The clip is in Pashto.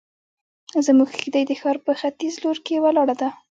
زموږ کيږدۍ د ښار په ختيز لور کې ولاړه ده.